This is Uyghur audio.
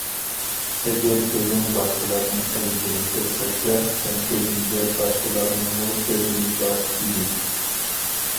ئەگەر كۆزۈڭ باشقىلارنىڭ ئەيىبىنى كۆرسەتسە، سەن كۆزۈڭگە» باشقىلارنىڭمۇ كۆزىنى بار« دېگىن.